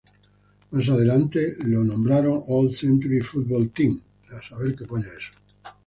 Más adelante, lo nombraron All-Century Football team.